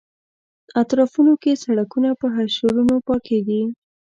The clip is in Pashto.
اطرافونو کې سړکونه په حشرونو پاکېږي.